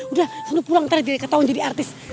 udah pulang nanti dia ketahuan jadi artis